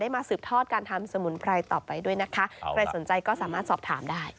มาสืบทอดการทำสมุนไพรต่อไปด้วยนะคะใครสนใจก็สามารถสอบถามได้